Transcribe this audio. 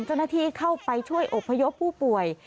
เจ้าหน้าที่เข้าไปช่วยอบพยพผู้ป่วย